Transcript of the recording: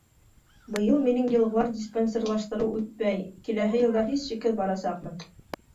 Быйыл минең йылғылар диспансерлаштырыу үтмәй, киләһе йылда һис шикһеҙ барасаҡмын.